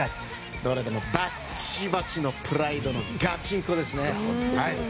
どれでもバッチバチのプライドのガチンコですね。